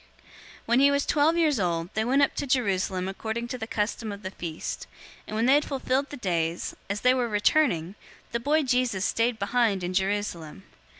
002:042 When he was twelve years old, they went up to Jerusalem according to the custom of the feast, 002:043 and when they had fulfilled the days, as they were returning, the boy Jesus stayed behind in Jerusalem.